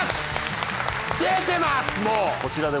出てます